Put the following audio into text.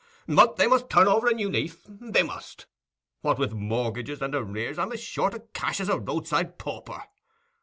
But they must turn over a new leaf—they must. What with mortgages and arrears, I'm as short o' cash as a roadside pauper.